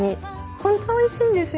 本当おいしいんですよ。